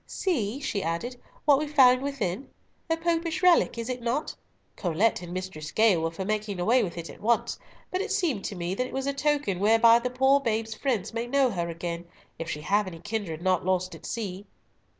"See," she added, "what we found within. A Popish relic, is it not? Colet and Mistress Gale were for making away with it at once, but it seemed to me that it was a token whereby the poor babe's friends may know her again, if she have any kindred not lost at sea."